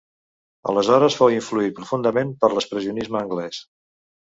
Aleshores fou influït profundament per l'expressionisme anglès.